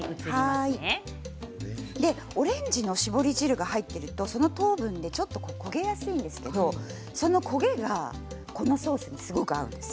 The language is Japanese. オレンジの絞り汁が入っていると、その糖分でちょっと焦げやすいんですけれどその焦げがこのソースにすごくよく合うんです。